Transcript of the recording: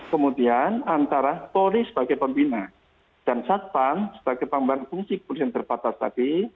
kemudian antara polri sebagai pembina dan satpam sebagai pembantu fungsi kepolisian terbatas tadi